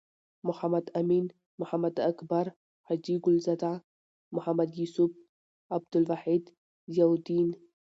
محمد امین.محمد اکبر.حاجی ګل زاده. محمد یوسف.عبدالواحد.ضیاالدین